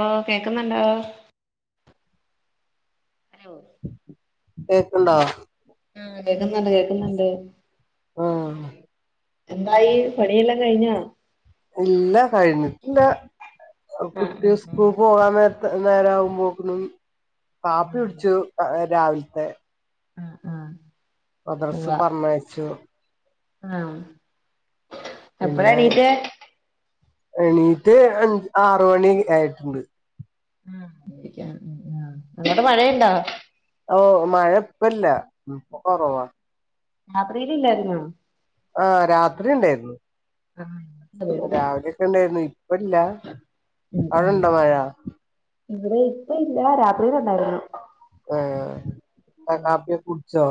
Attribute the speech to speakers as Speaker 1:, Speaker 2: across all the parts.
Speaker 1: ഓ കേക്കുന്നുണ്ടോ [unintelligible]
Speaker 2: കേക്ക്ണ്ടോ
Speaker 1: ഉം കേക്കുന്നുണ്ട് കേക്കുന്നുണ്ട്
Speaker 2: ഉം
Speaker 1: എന്തായി പണിയെല്ലാം കഴിഞ്ഞോ
Speaker 2: ഇല്ല കഴിഞ്ഞിട്ടില്ല കുട്ടി
Speaker 1: ആഹ്
Speaker 2: സ്കൂൾ പോകാൻ നേരത്ത് നേരാവുമ്പോ കിനും കാപ്പി കുടിച്ചു രാവില്ത്തെ
Speaker 1: ആഹ് ആഹ് ഉവ്വ
Speaker 2: മദ്രസ് പറഞ്ഞയച്ചു
Speaker 1: ആഹ് എപ്പഴാ
Speaker 2: പിന്നെ
Speaker 1: എണീറ്റെ
Speaker 2: എണീറ്റ് അഞ്ച്ആറ് മണി ആയിട്ടുണ്ട്
Speaker 1: ആഹ് ഒറ്റക്കാണ് ആഹ് അങ്ങോട്ടു മഴയുണ്ടോ
Speaker 2: ഓ മഴ ഇപ്പല്ല ഇപ്പ കൊറവാ
Speaker 1: രാത്രിലില്ലായിരുന്നോ
Speaker 2: ആഹ് രാത്രി ഇണ്ടായിരുന്നു
Speaker 1: ആഹ് ഇവിടെണ്ടായിരുന്നു
Speaker 2: രാവിലെ ഒക്കെ ഇണ്ടായിരുന്നു ഇപ്പല്ല
Speaker 1: ഉം ഉം
Speaker 2: അവിടെണ്ടോ മഴ
Speaker 1: ഇവിടെ ഇപ്പ ഇല്ല രാത്രിയില് ഉണ്ടായിരുന്നു
Speaker 2: ആഹ് ആ കാപ്പി കുടിച്ചോ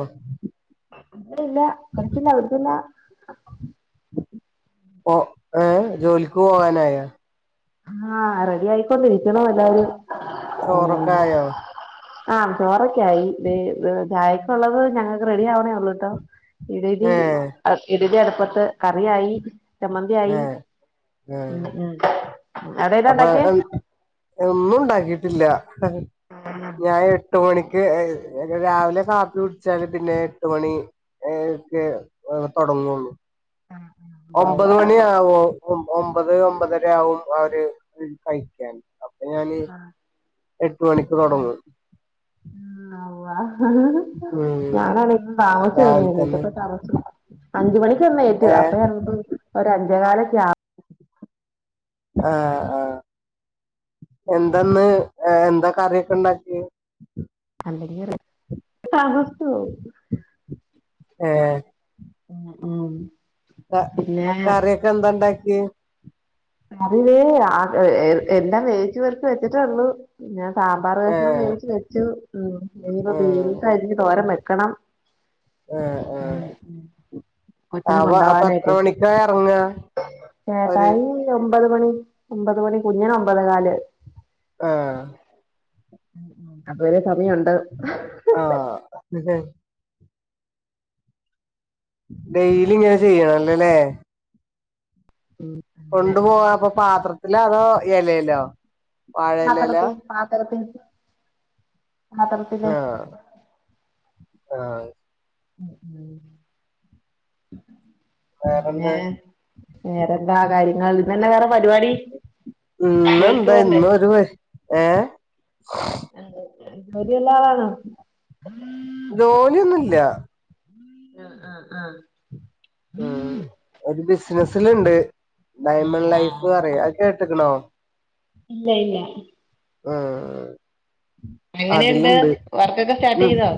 Speaker 1: വടെ ഇല്ല കുടിച്ചില്ല കുടി ച്ചില്ല
Speaker 2: ഒ ഏഹ് ജോലിക്ക് പോകാനായെ
Speaker 1: ആഹ റെഡി ആയിക്കൊണ്ടിരിക്കണ എല്ലാരും ഉ
Speaker 2: ചോറൊക്കെ ആയോ
Speaker 1: ആഹ ചോറൊക്കായി ചായക്കുള്ളത് ഞങ്ങൾക്ക് റെഡി ആവണേ ഉള്ളൂട്ടോ ഇടലി
Speaker 2: ഏഹ്
Speaker 1: ഇടലി അടുപ്പത്ത് കറിയായി ചമ്മന്തി ആയി
Speaker 2: ഏഹ്
Speaker 1: ഉ
Speaker 2: ഏഹ്
Speaker 1: ഉ
Speaker 2: അപ്പൊ ഒന്നും ഉണ്ടാക്കിട്ടില്ല
Speaker 1: ആഹ്
Speaker 2: ഞൻ എട്ട മണിക്ക് രാവിലെ കാപ്പി കുടിച്ചാല് പിന്നെ എട്ട് മണി ഏ ഒക്കെ തുടങ്ങുള്ളു
Speaker 1: ആ ആ
Speaker 2: ഒമ്പത് മണിയ ആവോ ഒമ്പത് ഒമ്പതര ആവും അവര് കഴിക്കാൻ അപ്പൊ ഞാന്
Speaker 1: ആഹ്
Speaker 2: എട്ട് മണിക്ക് തുടങ്ങും
Speaker 1: ഉ ആ്..
Speaker 2: ഉം
Speaker 1: ഞാനാണെങ്കും താമസം
Speaker 2: രാവിലെ തന്നെ
Speaker 1: വുന്നീട്ടപ്പ താമസ അഞ്ച മണിക്ക് തന്ന
Speaker 2: ഏ
Speaker 1: ഏറ്റു അപ്പ നമുക്ക് ഒ അഞ്ച കാലൊക്ക
Speaker 2: ആഹ ആഹ എന്താന്ന് എന്തൊക്കെ അറിയൊക്കെ ഉണ്ടാക്കി
Speaker 1: അല്ലിയ [unintelligible] പോകും
Speaker 2: ആഹ
Speaker 1: ആ ആ
Speaker 2: കറിയൊക്കെ എന്താ ഉണ്ടാക്കി
Speaker 1: അറില്ലേ ആ എല്ലാം വേച്ച് പറക്ക് വെച്ചിട്ടേ ഉള്ളു ഞാൻാ അറ്
Speaker 2: ഏ
Speaker 1: കഷണം വേച്ച് വെച്ച് ഇപ്പ
Speaker 2: ഏ
Speaker 1: വീത്ത തോരം വെക്കണം
Speaker 2: ഏ
Speaker 1: ഉം
Speaker 2: ഏ
Speaker 1: ഉം കൊച്ചിനെ
Speaker 2: അവ അപ്പൊ എത്ര
Speaker 1: കൊണ്ടകാനായിട്ട്
Speaker 2: മണിക്കാ എറങ്ങാ അവര്
Speaker 1: ചേത്തായി ഒമ്പത് മണി ഒമ്പത് മണി കുഞ്ഞിന അമ്പത് കാല്
Speaker 2: ആഹ
Speaker 1: അപ്പ വലിയ സമയംണ്ട്
Speaker 2: ആഹ അ ഡെയിലി ഇങ്ങനെ ചെയ്യണം അല്ലേല്ലേ
Speaker 1: ഉം അങ്ങനെ
Speaker 2: കൊണ്ട് പോവാപ്പൊ പാത്രത്തില് അതോ ഇലലോ
Speaker 1: പത്രത്തി പത്രരത്തിേ
Speaker 2: ആഹ ആഹ
Speaker 1: ഏ പിന്നെ
Speaker 2: വേറെന്താ
Speaker 1: വേറെന്താ കാര്യങ്ങൾ ഇന്നന്നെ വേറെ പരിപാടി
Speaker 2: ഇന്ന
Speaker 1: ജോലിക്ക്
Speaker 2: എന്താ
Speaker 1: പോണ്ടേ
Speaker 2: ഇന്ന ഒരു ഏ
Speaker 1: രി എല്ലാ വണോ
Speaker 2: ജോലിയൊന്നുംമല്ല
Speaker 1: ആഹ ആഹ ആഹ
Speaker 2: ഉ ഒരു ബിസിനസിലുണ്ട് ഡയമണ്ട് ലൈഫ്ന്ന്
Speaker 1: ആഹ് ആഹ്
Speaker 2: പറയും അത് കേട്ടക്കണോ
Speaker 1: ഇല്ല ഇല്ല
Speaker 2: ആ
Speaker 1: എങ്ങനെയുണ്ട്
Speaker 2: അതിലുണ്ട്
Speaker 1: വർക്കൊക്കെ സ്റ്റാർട്ട്
Speaker 2: ഉ
Speaker 1: ചെയ്തോ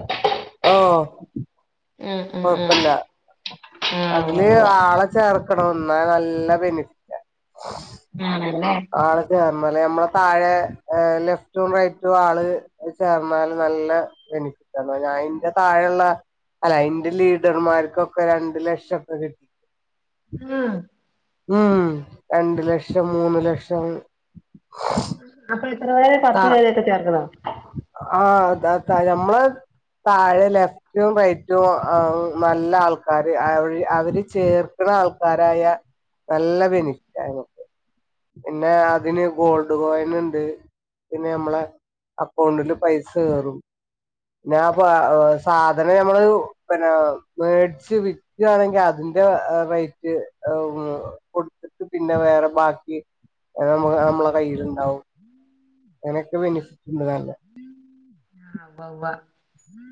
Speaker 2: ഓ
Speaker 1: ആഹ് ആഹ് ആഹ്
Speaker 2: കൊഴപ്പില്ല
Speaker 1: ആഹ് ഉവ്വ
Speaker 2: അതില്
Speaker 1: ഉവ്വ
Speaker 2: ആള ചേർക്കണ എന്നാ നല്ല ബെനിഫിറ്റ്
Speaker 1: ആണല്ലേ
Speaker 2: ആള് കേറല്ലേ നമ്മളെ താഴെ ലെഫ്റ്റും റൈറ്റും ആള് ചേർന്നാല് നല്ല ബെനിഫിറ്റ് ആണ ഞ അതിന്റെ താഴെയുള്ള അല്ല അ ലീഡർമാർക്കൊക്കെ രണ്ട് ലക്ഷംഒക്കെ കി
Speaker 1: ഉം
Speaker 2: ഉം രണ്ട് ലക്ഷം മൂന്ന് ലക്ഷം
Speaker 1: അപ്പൊ എത്ര പേരാ പത്ത്
Speaker 2: ത
Speaker 1: പേരഒക്കെ ചേർക്കണോ
Speaker 2: ആഹ് അതാക്കാര ഞമ്മ്ള് താഴെലെ ഏറ്റോം പയറ്റോം അഹ് നല്ല ആൾക്കാര് അവര് അവര് ചേർക്കണ ആൾക്കാരായ നല്ല ബെനിഫിറ്റാ ഞങ്ങക്ക് പിന്നെ അതിന് ഗോൾഡ് കോയിൻ ഉണ്ട് പിന്നെ നമ്മളെ അക്കൗണ്ടില് പൈസ കേറും പിന്നാപ്പ സാധനം ഞമ്മള് പിന്നെ വേടിച്ച് വി ക്കു ആണെങ്കിൽ അതിന്റെ റേറ്റ് ആഹ് കൊട് പിന്നെ വേറെ ബാക്കി നമ്മടെ നമ്മള കയ്യിലുണ്ടാവും ഞങ്ങക്ക് ബെനിഫിറ്റ് ഉണ്ട് നല്ല
Speaker 1: ആഹ് ഉവ്വ ഉവ്വാ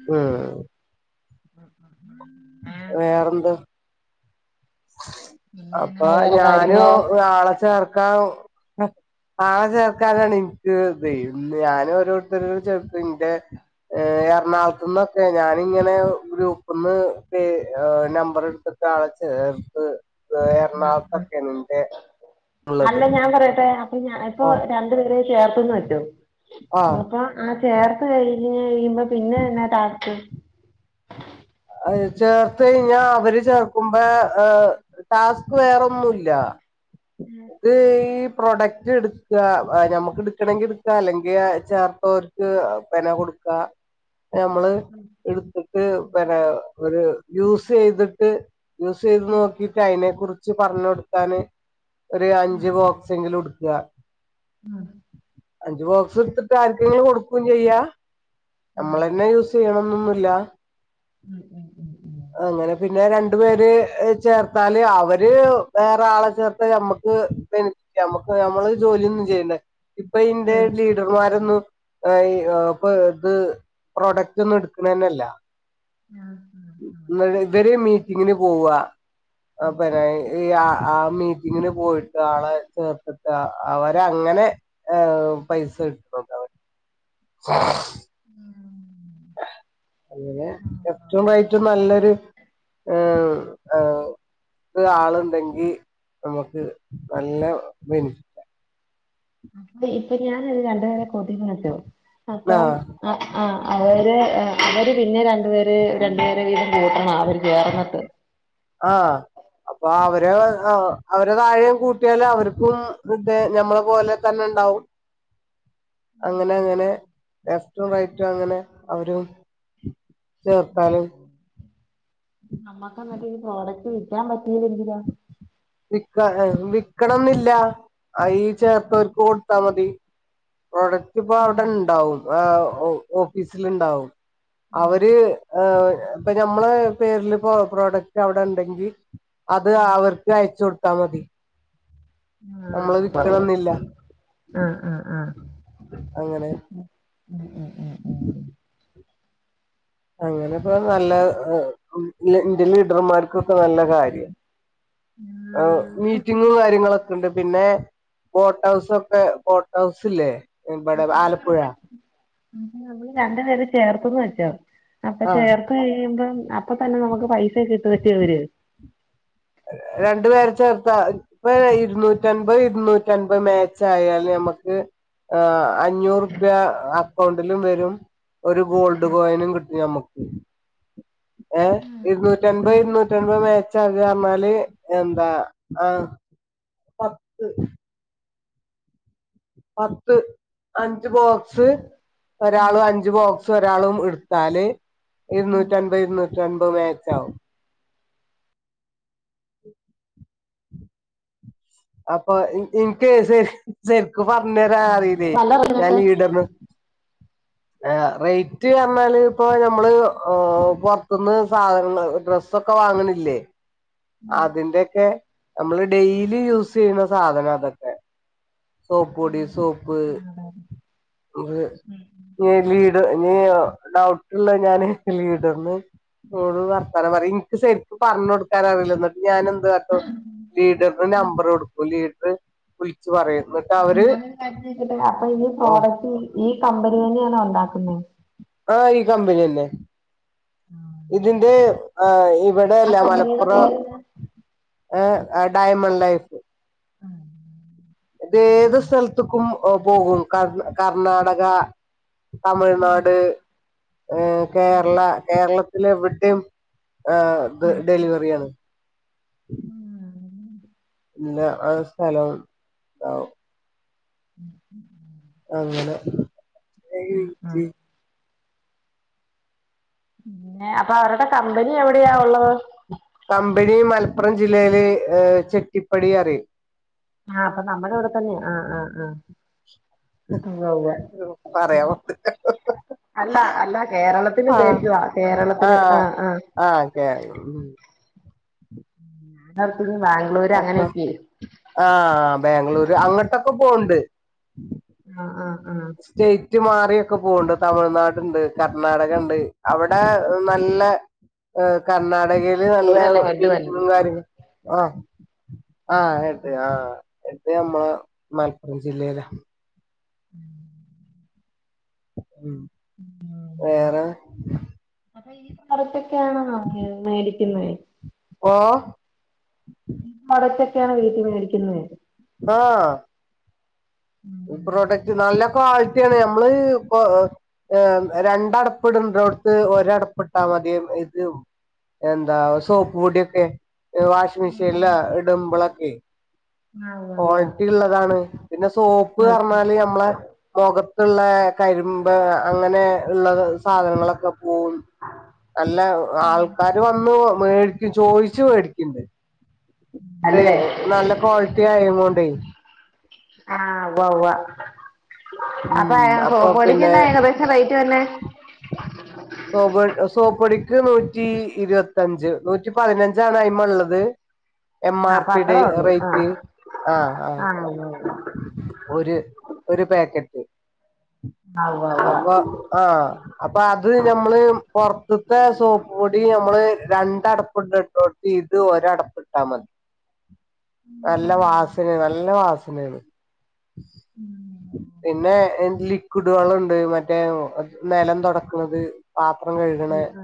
Speaker 2: ഉം വേറെന്ത് അപ്പൊ
Speaker 1: ആഹ് വേറെ കാര്യങ്ങളോ
Speaker 2: ഞാനും ആളെ ചേർക്കാ ആളെ ചേർക്കാനാണ് ഇന്ക്ക് ഇത് ഇന്ന് ഞാനും ഓരോരുത്തര് ചേർത്ത് ഇന്റെ എറണാകുളത്ത്ന്നൊക്കെ ഞാനിങ്ങനെ ഗ്രൂപ്പിന്ന് പേ നമ്പർ എടുത്ത് ഒരാളെ ചേർത്ത് എറണാകുളത്തൊക്കെയണിന്റെ ഉള്ളത്
Speaker 1: ഇപ്പൊ പറയട്ടെ അപ്പൊ ഞാ എപ്പൊ
Speaker 2: ഓ
Speaker 1: രണ്ടു പേര ചേർത്തെന്ന് വെച്ചോ
Speaker 2: ആഹ്
Speaker 1: അപ്പോം ആഹ് ചേർത്ത് കഴിഞ്ഞ് കഴിയുമ്പോ പിന്നെ എന്നാ ടാസ്ക്
Speaker 2: അഹ് ചേർത്ത് കഴിഞ്ഞാ അവര് ചേർക്കുബാ ആഹ് ടാസ്ക് വേറൊന്നും ഇല്ല
Speaker 1: ഉം
Speaker 2: ഇത് പ്രൊഡക്റ്റ് എടുക്കുക ഞമ്മുക്ക് എടുക്കണെങ്കിൽ എടുക്കാ അല്ലെങ്കിൽ ചേർത്തോ ഇത് പെന കൊടുക്ക ഞമ്മള് എടുത്തിട്ട് പിനെ ഒരു യൂസ് ചെയ്തിട്ട് യൂസ് ചെയ്ത് നോക്കീട്ട് അതിനെ കുറിച്ച് പറഞ്ഞ് കൊടുക്കാന് ഒരു അഞ്ച് ബോക്സെങ്കില് ഉടുക്കുക
Speaker 1: ഉം
Speaker 2: അഞ്ചു ബോക്സ് എടുത്തിട്ട് ആർക്കെങ്കിലും കൊടുക്കും ചെയ്യാ
Speaker 1: ഉം
Speaker 2: നമ്മളന്നെ യൂസ് ചെയ്യണംന്നൊന്നും ഇല്ല
Speaker 1: ഉം ഉം
Speaker 2: അങ്ങനെ പിന്നെ രണ്ടു പേര് ചേർത്താല് അവര് വേറെ ആളെ ചേർത്തല് നമ്മ ക്ക് ബെനിഫിറ്റ ഞമ്മക്ക് നമ്മള് ജോലിയൊന്നും ചെയ്യണ്ട ഇപ്പ ഇന്റെ
Speaker 1: ഉം
Speaker 2: ലി റ്റർമാരൊന്നും ഈ ഇപ്പ ഇത് പ്രോഡക്റ്റ് ഒന്നും എടുക്കണ തന്നെ ഇല്ല
Speaker 1: ഉം
Speaker 2: ഇവര് മീറ്റിങ്ങിന് പോവ ആഹ് പിന്നെ ആഹ് ആഹ് മീറ്റിങ്ങിന് പോയി ട്ട് ആളെ ചേർത്തിട്ട് അവരങ്ങനെ ഇഹ് പൈസ കിട്ടുന്നുണ്ട് അവ
Speaker 1: ഉം
Speaker 2: അങ്ങനെ ലെഫ്റ്റും റൈറ്റും നല്ലൊരു ഏഹ് ആഹ് ഒരു ആളുണ്ടെങ്കി നമുക്ക് നല്ല ബെനി
Speaker 1: ഇതി ഇപ്പോ ഞാനൊരു രണ്ടുപേരെ കുട്ടിന്ന് വച്ചോ
Speaker 2: ആ
Speaker 1: അപ്പം ആഹ് ആഹ് അവര് അവര് പിന്നെ രണ്ടുപേര് രണ്ടുപേരെ വീതം കൂട്ടണം അവ ചേർന്നട്ട്
Speaker 2: ആഹ് അപ്പൊ അവര് അവരെ താഴെ കൂട്ടിയാല് അവർക്കും ഞമ്മളെ പോലെ തന്നെ ഉണ്ടാവും. അങ്ങനെ അങ്ങനെ ലെഫ്റ്റും റൈറ്റും അങ്ങനെ അവരും. ചേർത്താല്
Speaker 1: നമ്മക്ക് അന്ന്ട്ട് ഈ പ്രോഡക്ട് വിക്കാം പറ്റീല്ലെങ്കിലോ?
Speaker 2: വിക്ക എഹ് വിക്കണംന്നില്ല അയ്‌ല് ചേർത്തോര്ക്ക് കൊട്ത്താ മതി. പ്രൊഡക്റ്റ് പ്പ അവടെണ്ടാവും ആ ഓ ഓഫീസില്ണ്ടാവും. അവര് ഏഹ് ഇപ്പ ഞമ്മള് പേരില് പ്പൊ പ്രോഡക്റ്റ് അവടെണ്ടെങ്കി അത് അവർക്ക് അയച്ചോട്ത്താ മതി.
Speaker 1: ആഹ്
Speaker 2: നമ്മള്
Speaker 1: കൊള്ളാം.
Speaker 2: വിക്കണന്നില്ല.
Speaker 1: ആഹ് ആഹ് ആഹ്
Speaker 2: അങ്ങനെ
Speaker 1: ഉം ഉം ഉം ഉം
Speaker 2: [inaudible] അങ്ങനെപ്പോ നല്ല എഹ് എഹ് ലെ ഇൻ്റെ ലീഡർമാർക്കൊക്കെ നല്ല കാര്യാ. ആഹ്
Speaker 1: ആ,
Speaker 2: മീറ്റിങ്ങും കാര്യങ്ങളൊക്കെണ്ട് പിന്നെ ബോട്ടൗസൊക്കെ ബോട്ടൗസിലേ ഇബടെ
Speaker 1: അപ്പൊ ഞാൻ
Speaker 2: ആലപ്പുഴ
Speaker 1: പറയട്ടെ നമ്മള് രണ്ടു പേരെ ചേർത്ത്ന്ന് വെച്ചോ അപ്പൊ
Speaker 2: ആഹ്
Speaker 1: ചേർ ത്തയുമ്പം അപ്പൊ തന്നെ നമുക്ക് പൈസ കിട്ട് [unintelligible] വര്.
Speaker 2: രണ്ട് പേരെ ചേർത്താ ഇപ്പൊ ഇര്ന്നൂറ്റൻപത് ഇര്ന്നൂറ്റൻപത് മാച്ചായാലമ്മക്ക്. ആഹ് അഞ്ഞൂറുപ്യ അക്കൗണ്ടിലും വെരും ഒരു ഗോൾഡ് കോയിനും കിട്ടും ഞമ്മക്ക്. ഏഹ് ഇര്ന്നൂറ്റൻപത് ഇര്ന്നൂറ്റൻപത് മേച്ചാകാർഞ്ഞാല് എന്താ ആഹ് പത്ത്. പത്ത്, അഞ്ച് ബോക്സ് ഒരാള് അഞ്ച് ബോക്സ് ഒരാളും ഇട്ത്താല് ഇര്ന്നൂറ്റൻപത് ഇര്ന്നൂറ്റൻപത് മാച്ചാവും. അപ്പൊ ഇൻ ഇൻക്ക് സെര് സെര്ക്ക് പർഞ്ഞെരാറീലെയ്
Speaker 1: നല്ല
Speaker 2: ഞാൻ
Speaker 1: റേറ്റിനൊക്കെ
Speaker 2: ലീഡെർനോ ഏഹ് റെയ്റ്റർഞ്ഞാല് പ്പൊ ഞമ്മള് ഏഹ് പൊർത്ത്ന്ന് സാധനങ്ങള് ഡ്രസ് സൊക്കെ വാങ്ങ്ണില്ലേ അതിന്റെക്കെ നമ്മള് ഡെയിലി യൂസെയ്യ്ണ സാധനാതൊക്കെ. സോപ്പൊടി, സോപ്പ് [unintelligible] നീ ലീഡ് ഞ് ഡൗട്ട്ള്ളെ ഞാന് ലീഡർന് ഓള് വർത്താനം പറിം ഇൻക്ക് ശെര്ക്ക് പർഞ്ഞൊട്ക്കാനാ [unintelligible] ന്ന്ട്ട് ഞനെന്ത് കാട്ടും
Speaker 1: ഉം
Speaker 2: ലീഡർൻ്റെ നമ്പറൊട്ക്കും ലീഡർ വിളിച്ച് പറയു [unintelligible]
Speaker 1: അപ്പൊ ഞാനൊരു കാര്യം ചോദിക്കട്ടെ അപ്പൊ ഈ പ്രോഡക്റ്റ് ഈ കമ്പനി തെന്ന്യാണോ ഉണ്ടാക്കുന്നേ?
Speaker 2: ആഹ് ഈ കമ്പന്യന്നെ ഇതിന്റെ ആഹ്
Speaker 1: ആ
Speaker 2: ഇവടല്ല
Speaker 1: കമ്പനിയുടെ
Speaker 2: മലപ്പുറം
Speaker 1: പേരെന്താ
Speaker 2: ഏഹ് ആഹ് ഡയമണ്ട് ലൈഫ്.
Speaker 1: ആഹ്
Speaker 2: ഇതേത് സ്ഥൽത്ത്ക്കും ഓ പോവും. കർ കർണാടക തമിഴ്നാട്, ഏഹ് കേരള കേരളത്തിലെവിടിം ആഹ് ത് ഡെലിവറ്യാണ്.
Speaker 1: ഉം
Speaker 2: ഇല്ല ആ സ്ഥലം [unintelligible] വും.
Speaker 1: ഉം ഉം ഉം
Speaker 2: അങ്ങനെ
Speaker 1: ഉം ആഹ് അങ്ങനെ അപ്പൊ അവര്ടെ കമ്പനി എവടെയാ ഉള്ളത്.
Speaker 2: കമ്പനി മലപ്പുറം ജില്ലയില് ഏഹ് ചിട്ടിപ്പടി റിം
Speaker 1: ആഹ് അപ്പൊ നമ്മടെ ഇവടെ തന്നെ ആഹ് ആഹ് ആഹ് ഉവ്വ ഉവ്വ ഉം
Speaker 2: പറയാമോ
Speaker 1: അല്ല അല്ല കേരളത്തിലുദ്ദേശ് ചതാ കേരളത്തില് ആഹ് ആഹ്
Speaker 2: ആഹ് ഓക്കെ ഉം
Speaker 1: ഞാൻത്തന്ന് ബാംഗ്ലൂര് അങ്ങനെയൊക്കെ
Speaker 2: ആഹ ബാംഗ്ലൂര് അങ്ങട്ടൊക്കെ പോണുണ്ട്
Speaker 1: ആ ആഹ് ആഹ
Speaker 2: സ്റ്റേറ്റ് മാറിയൊക്കെ പോവണ്ട് തമിഴ്നാട് ഉണ്ട് കർണാടക ഉണ്ട് അവിടെ നല്ല ഹ് കർണാടകയി യിനല്ല
Speaker 1: ബാംഗ്ലൂരല്ലേ ഹെഡ് വന്നത്
Speaker 2: മീറ്റിങ്ങും കാര്യങ്ങളും ആ ആ കേട്ടെ ആ എന്റെ അമ്മ മലപ്പുറം ജില്ലയിലാ
Speaker 1: ഉം
Speaker 2: ഉ വേറെ
Speaker 1: അപ്പ ഈ സ്ഥത്തൊക്കെയ ആണോ മേടിക്കുന്നത്
Speaker 2: ഓ
Speaker 1: പുറത്തൊക്കെയാണ് വീട്ടിൽ മേടിക്കുന്നത്
Speaker 2: ആഹ്.. ഈപ്രൊഡക്റ്റ് നല്ല ക്വാളിറ്റിയ ആണ് ഞമ്മള് ഇപ്പ ആ രണ്ടടപ്പ്ഇടണ്ടടത്ത് ഒരടപ്പിട്ടാൽ മതി ഇത് എന്താ സോപ്പ് പൊടിയക്കെ വാഷിംഗ് മെഷീനിലാ ഇടുബളക്കെ
Speaker 1: ആ ഉവ്വ്
Speaker 2: ക്വാളിറ്റി ഉള്ളതാണ് പിന്നെ സോപ്പ്
Speaker 1: ഉവ്വ്
Speaker 2: പറഞ്ഞാല് മ്മളെ മുഖത്തുള്ള കരിമ്പ് അങ്ങനെ ഉള്ളത് സാധനങ്ങളൊക്കെ പോക്കും അല്ല ആൾക്കാര് വന്ന് മേടിക്കു ചോദിച്ച് മേടിക്കണ്ട് അ
Speaker 1: അല്ലേ
Speaker 2: നല്ല ക്വാളിറ്റി ആയ കൊണ്ടേ
Speaker 1: ആ ഉവ്വാ ഉവ്വാ അപ്പ
Speaker 2: ഉം അപ്പൊ പിന്നെ
Speaker 1: സോപ്പ്പൊടിക്കുന്നഏകദേശ എന്ന റേയിറ്റു വരുന്നെ
Speaker 2: സോപ്പ് സോപ്പൊടിക്ക് നൂറ്റി ഇരുപത്തഞ്ച് നൂറ്റി പതിനഞ്ചാണ് അയി മ ഉള്ളത് എം
Speaker 1: ആഹ്
Speaker 2: ആർ
Speaker 1: അപ്പൊ
Speaker 2: പിയുടെ
Speaker 1: അത്രേ ഉള്ളൂ ആഹ്
Speaker 2: റേറ്റ് ആഹ ആ അത്ര
Speaker 1: ആഹ് ഉവ്വ
Speaker 2: ഒരു ഒരു പാക്കറ്റ്
Speaker 1: ഉവ്വ
Speaker 2: അപ്പൊ
Speaker 1: ആഹ്
Speaker 2: ആഹ അപ്പൊ അ അത് ഞമ്മള് പുറത്തത്തെ സോപ്പ് പൊടി നമ്മള് രണ്ടടപ്പുണ്ട് പക്ഷേ ഇത് ഒരു അടപ്പിട്ടാൽ മതി നല്ല വാസനയ നല്ല വാസനയാണ് പിന്നെ ലിക്വിഡുകളുണ്ട് മറ്റേ നിലം തുടക്ക ഉള്ളത് പിന്നെ പാത്രം
Speaker 1: ഉവ്വ ഉവ്വ ഉം
Speaker 2: കഴുകുന്ന
Speaker 1: ആഹ്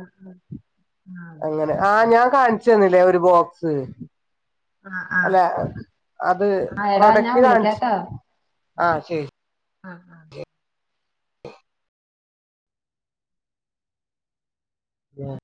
Speaker 2: അങ്ങനെ ആ ഞാൻ കാണി ച്ചുതന്നില്ലേ ഒരു ബോക്സ്
Speaker 1: ആഹ് ആഹ്
Speaker 2: അല്ല അത്
Speaker 1: ആഹ് എടാ ഞാൻ
Speaker 2: പ്രൊഡക്റ്റ് കാണിച്ചു
Speaker 1: വിളിക്കാട്ടോ
Speaker 2: ആ ശരി
Speaker 1: ആഹ്
Speaker 2: ടിക് ഉം